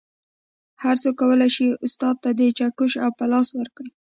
هر څوک کولی شي استاد ته چکش او پلاس ورکړي